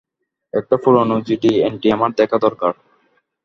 একটা পুরানো GD entry আমার দেখা দরকার।